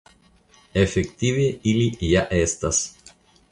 Efektive ili ja estas.